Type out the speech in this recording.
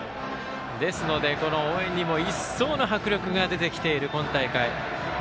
ですので、応援にも一層の迫力が出てきている今大会。